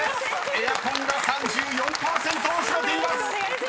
「エアコン」が３４％を占めています！］